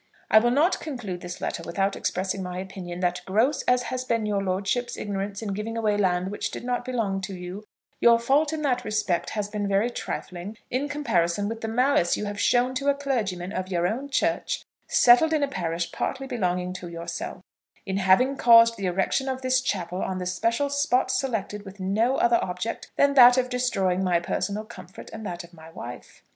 I will not conclude this letter without expressing my opinion that gross as has been your lordship's ignorance in giving away land which did not belong to you, your fault in that respect has been very trifling in comparison with the malice you have shown to a clergyman of your own church, settled in a parish partly belonging to yourself, in having caused the erection of this chapel on the special spot selected with no other object than that of destroying my personal comfort and that of my wife.